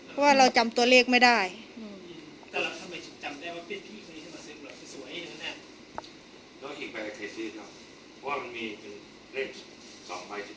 เพราะว่าเราจำตัวเลขไม่ได้แต่เราทำไมถึงจำได้ว่า